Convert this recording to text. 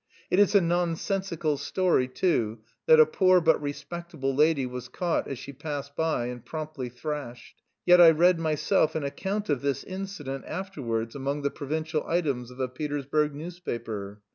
It is a nonsensical story, too, that a poor but respectable lady was caught as she passed by and promptly thrashed; yet I read myself an account of this incident afterwards among the provincial items of a Petersburg newspaper.